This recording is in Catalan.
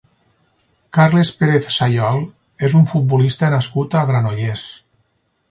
Carles Pérez Sayol és un futbolista nascut a Granollers.